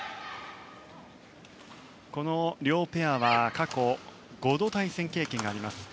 この両ペアは、過去５度対戦経験があります。